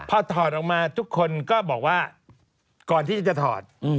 พอถอดออกมาทุกคนก็บอกว่าก่อนที่จะถอด